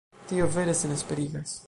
Tio vere senesperigas.